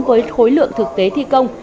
với khối lượng thực tế thi công